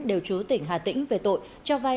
đều chú tỉnh hà tĩnh về tội cho vai